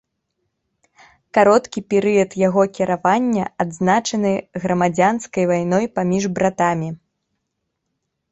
Кароткі перыяд яго кіравання адзначаны грамадзянскай вайной паміж братамі.